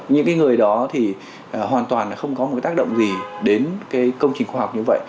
những người đó thì hoàn toàn không có một tác động gì đến cái công trình khoa học như vậy